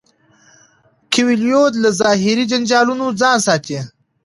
کویلیو له ظاهري جنجالونو ځان ساتي.